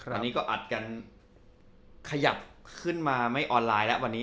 อันนี้ก็อัดกันขยับขึ้นมาไม่ออนไลน์แล้ววันนี้